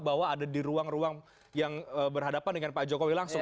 bahwa ada di ruang ruang yang berhadapan dengan pak jokowi langsung